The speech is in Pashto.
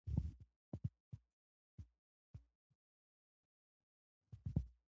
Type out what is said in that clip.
افغانستان کې د انګور د پرمختګ هڅې روانې دي.